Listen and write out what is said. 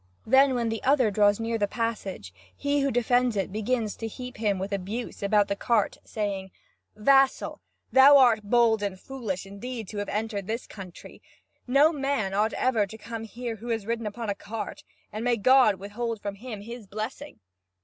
Then, when the other draws near the passage, he who defends it begins to heap him with abuse about the cart, saying: "Vassal, thou art bold and foolish, indeed, to have entered this country. No man ought ever to come here who had ridden upon a cart, and may God withhold from him His blessing!"